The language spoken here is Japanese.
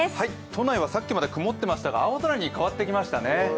都内はさっきまで曇っていましたが、青空に変わってきましたね。